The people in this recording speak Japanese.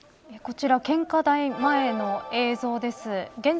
こちら、献花台前の映像です。